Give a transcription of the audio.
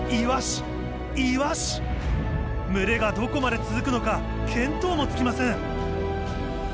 群れがどこまで続くのか見当もつきません。